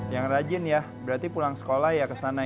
yang rajin ya berarti pulang sekolah ya kesana ya